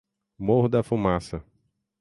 Morro da Fumaça